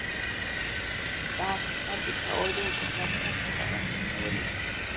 دا حقیقت د شواهدو پر بنسټ په اثبات رسولای شو